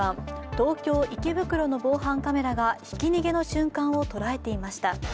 東京・池袋の防犯カメラがひき逃げの瞬間を捉えていました。